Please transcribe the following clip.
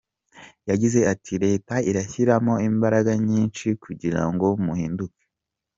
Yagize ati” Leta irashyiramo imbaraga nyinshi kugira ngo muhinduke.